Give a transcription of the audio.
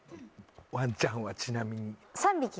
ワンちゃんはちなみに。